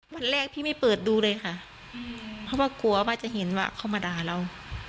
วันแรกพี่ไม่เปิดดูเลยค่ะเพราะว่ากลัวว่าจะเห็นว่าเขามาด่าเรา